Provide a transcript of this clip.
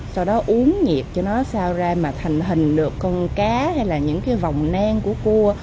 sau đó uống nhiệt cho nó sao ra mà thành hình được con cá hay là những cái vòng nan của cua